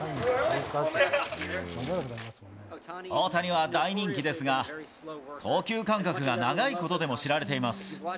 大谷は大人気ですが、投球間隔が長いことでも知られています。